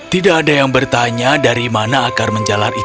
tidak ada yang bertanya dari mana akan menemukan ayam kecil